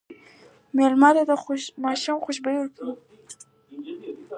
مېلمه ته د ماشوم خوشبويي ورکړه.